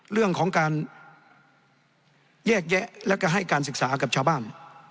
เรื่องของการแยกแยะแล้วก็ให้การศึกษากับชาวบ้าน